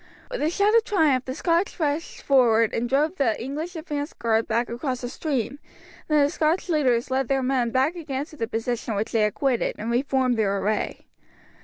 With a shout of triumph the Scotch rushed forward and drove the English advance guard back across the stream; then the Scotch leaders led their men back again to the position which they had quitted, and reformed their array.